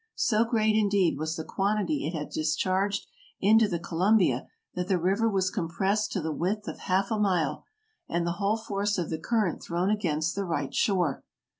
So great, indeed, was the quantity it had discharged into the Colum bia, that the river was compressed to the width of half a mile and the whole force of the current thrown against the right shore.